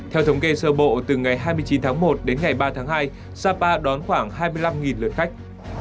theo thống kê sơ bộ từ ngày hai mươi chín tháng một đến ngày ba tháng hai sapa đón khoảng hai mươi năm lượt khách